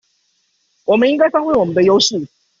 我們應該發揮我們的優勢